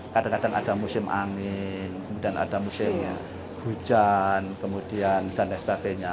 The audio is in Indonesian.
kadang kadang ada musim angin kemudian ada musim hujan kemudian dan lain sebagainya